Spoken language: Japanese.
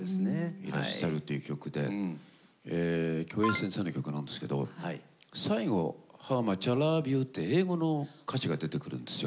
いらっしゃるという曲でえ京平先生の曲なんですけど最後「ＨｏｗｍｕｃｈＩｌｏｖｅｙｏｕ」って英語の歌詞が出てくるんですよ。